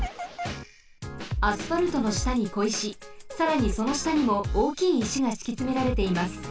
アスファルトのしたにこいしさらにそのしたにもおおきいいしがしきつめられています。